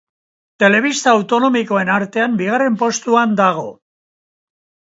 Telebista autonomikoen artean bigarren postuan dago.